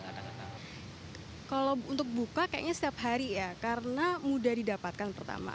kalau untuk buka kayaknya setiap hari ya karena mudah didapatkan pertama